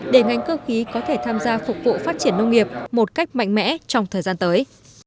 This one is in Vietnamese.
để ngành cơ khí có thể tham gia phục vụ phát triển nông nghiệp một cách mạnh mẽ trong thời gian tới